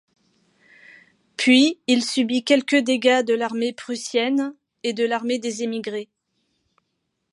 Puis, il subit quelques dégâts de l'armée prussienne et de l'armée des émigrés.